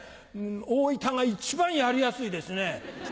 大分が一番やりやすいですね。